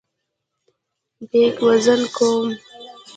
بیک وزن کوم.